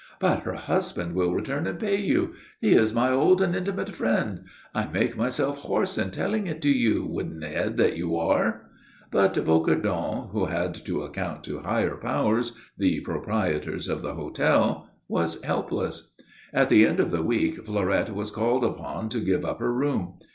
"But her husband will return and pay you. He is my old and intimate friend. I make myself hoarse in telling it to you, wooden head that you are!" But Bocardon, who had to account to higher powers, the proprietors of the hotel, was helpless. At the end of the week Fleurette was called upon to give up her room.